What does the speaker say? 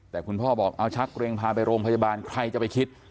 แต่คุณพ่อบอกเอาชักเกรงพาไปโรงพยาบาลใครจะไปคิด